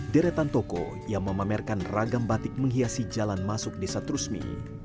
deretan toko yang memamerkan ragam batik menghiasi jalan masuk desa trusmi